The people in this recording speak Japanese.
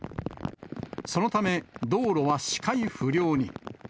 そのため、道路は視界不良に。